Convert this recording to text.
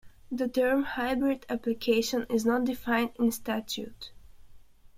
The term 'hybrid application' is not defined in statute.